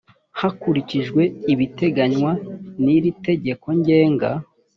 hakurikijwe ibiteganywa n iri tegeko ngenga